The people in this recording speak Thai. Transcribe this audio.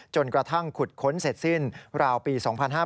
จนกระทั่งขุดค้นเสร็จสิ้นราวปี๒๕๕๙